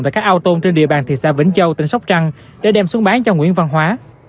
và các ao tôm trên địa bàn thị xa vĩnh châu tỉnh sóc trăng để đem xuống bán cho nguyễn văn hóa